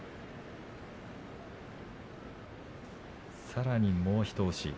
さらに、もう一押し。